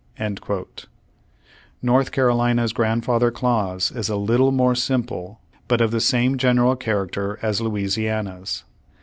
^ North Carolina's grandfather clause is a little more simple but of the same general character as Louisiana's.